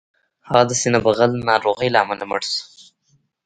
هغه د سینې بغل ناروغۍ له امله مړ شو